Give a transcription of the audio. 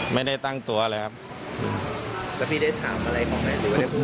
ไม่ได้ตั้งตัวเลยครับแล้วพี่ได้ถามอะไรของไหนหรือว่าได้พูด